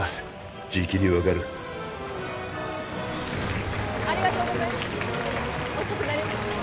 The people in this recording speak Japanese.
じきに分かるありがとうございます遅くなりました